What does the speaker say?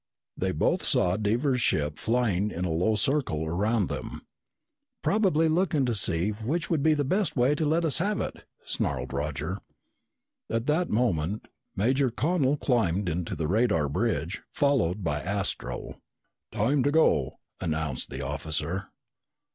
They both saw Devers' ship flying in a slow circle around them. "Probably looking to see which would be the best way to let us have it!" snarled Roger. At that moment Major Connel climbed into the radar bridge, followed by Astro. "Time to go," announced the officer.